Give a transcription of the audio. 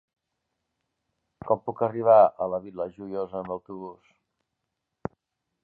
Com puc arribar a la Vila Joiosa amb autobús?